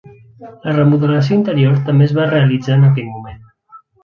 La remodelació interior també es va realitzar en aquell moment.